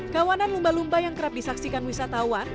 kawanan lumba lumba yang kerap disaksikan wisatawan